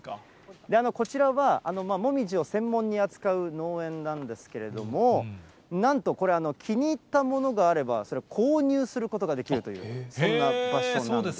こちらはもみじを専門に扱う農園なんですけれども、なんとこれ、気に入ったものがあれば、それを購入することができるという、そんな場所なんです。